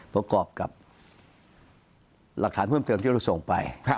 ประกอบกับหลักฐานเพิ่มเติมที่เราส่งไป